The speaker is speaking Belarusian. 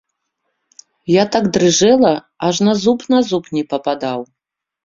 Я так дрыжэла, ажно зуб на зуб не пападаў.